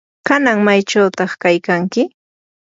¿kanan maychawta kaykanki?